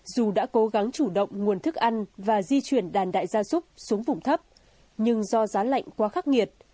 dù đã cố gắng chủ động nguồn thức ăn và di chuyển đàn đại gia súc xuống vùng thấp nhưng do giá lạnh quá khắc nghiệt